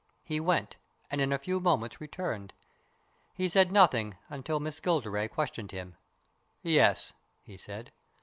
He went, and in a few moments returned. He said nothing until Miss Gilderay questioned him. " Yes," he said.